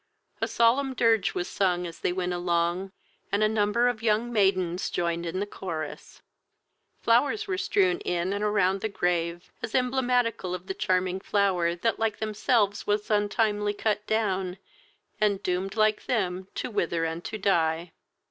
A solemn dirge was sung as they went along, and a number of young maidens joined in the chorus. Flowers were strewn into and around the grave, as emblematical of the charming flower that like themselves was untimely cut down, and doomed like them to wither and to die.